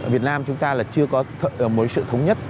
việt nam chúng ta là chưa có sự thống nhất